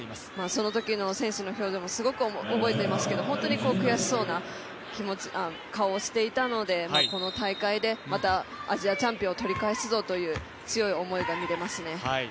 そのときの選手の表情もすごく覚えていますけど、本当に悔しそうな顔をしていたので、この大会でまたアジアチャンピオンを取り返すぞという強い思いが見れますね。